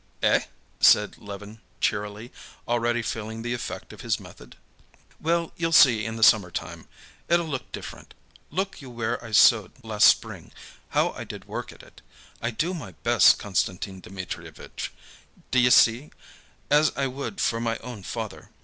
"Eh?" said Levin cheerily, already feeling the effect of his method. "Why, you'll see in the summer time. It'll look different. Look you where I sowed last spring. How I did work at it! I do my best, Konstantin Dmitrievitch, d'ye see, as I would for my own father.